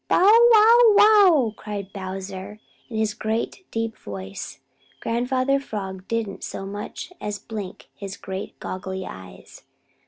"Bow, wow, wow!" cried Bowser, in his great deep voice. Grandfather Frog didn't so much as blink his great goggly eyes.